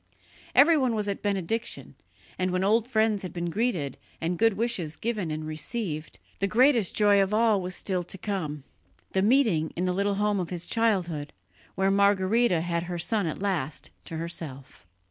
Everyone was at Benediction, and when old friends had been greeted and good wishes given and received, the greatest joy of all was still to come the meeting in the little home of his childhood, where Margherita had her son at last to herself.